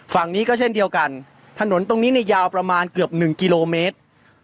ฝั่งนี้ก็เช่นเดียวกันถนนตรงนี้เนี่ยยาวประมาณเกือบ๑กิโลเมตร